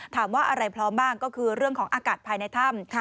ถามว่าอะไรพร้อมบ้างก็คือเรื่องของอากาศภายในถ้ำ